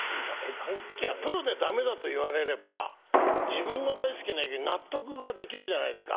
プロで駄目だと言われれば自分の大好きな野球に納得ができるじゃないですか。